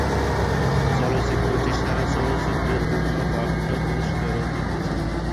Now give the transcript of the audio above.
চলচ্চিত্রটি সেরা চলচ্চিত্রের জন্য বাফটা পুরস্কারও জিতেছে।